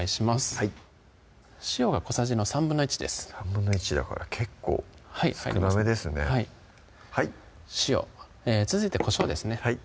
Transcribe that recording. はい塩が小さじの１／３です１／３だから結構少なめですねはい続いてこしょうですね